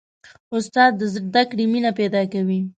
استاد د زده کړې مینه پیدا کوي.